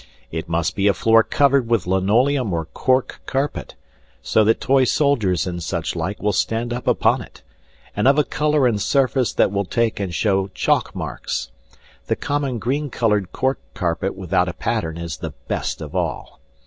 It must be a floor covered with linoleum or cork carpet, so that toy soldiers and such like will stand up upon it, and of a color and surface that will take and show chalk marks; the common green colored cork carpet without a pattern is the best of all.